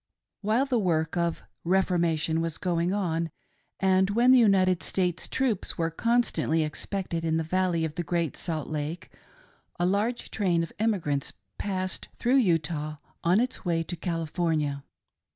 While the work of " Reformation " was going on, and when the United States troops were constantly expected in the Valley of the Great Salt Lake, a large train of emigrants passed ' through Utah on its way to California.